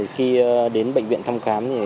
khi đến bệnh viện thăm khám